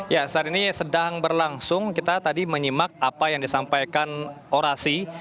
ya saat ini sedang berlangsung kita tadi menyimak apa yang disampaikan orasi